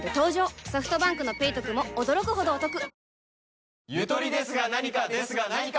ソフトバンクの「ペイトク」も驚くほどおトク